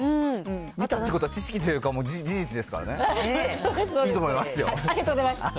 見たってことは知識というか、事実ですからね、いいと思いまありがとうございます。